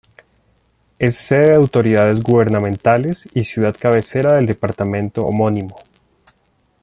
Es sede de autoridades gubernamentales y ciudad cabecera del departamento homónimo.